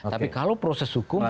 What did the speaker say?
tapi kalau proses hukum